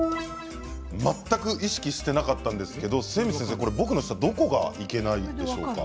全く意識していなかったんですが僕の舌どこがいけないんでしょうか。